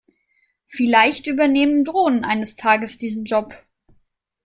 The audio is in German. Vielleicht übernehmen Drohnen eines Tages diesen Job.